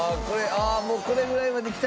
あっもうこれぐらいまできたら。